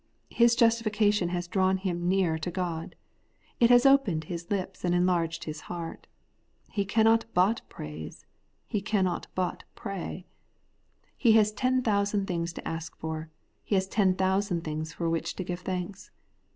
His justification has drawn him near to God. It has opened his lips and enlarged his heart. He cannot but praise ; he cannot but pray. He has ten thousand things to ask for ; he has ten thousand things for .which to give thanks.